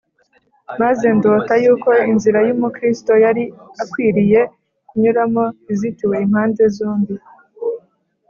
Maze ndota yuko inzira Mukristo yari akwiriye kunyuramo izitiwe impande zombi